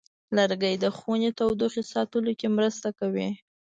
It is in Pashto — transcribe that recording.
لرګی د خونې تودوخې ساتلو کې مرسته کوي.